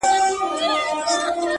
يوه نه!!دوې نه!!څو دعاوي وكړو!!